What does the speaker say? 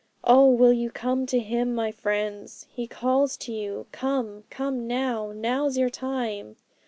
'Oh, will you come to Him, my friends? He calls to you "Come! come now!" Now's your time!